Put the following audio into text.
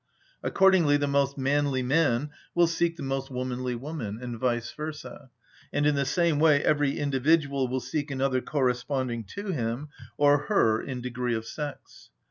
Accordingly, the most manly man will seek the most womanly woman, and vice versâ, and in the same way every individual will seek another corresponding to him or her in degree of sex.